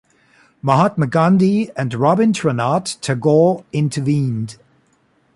Mahatma Gandhi and Rabindranath Tagore intervened.